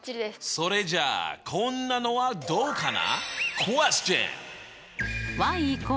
それじゃあこんなのはどうかな？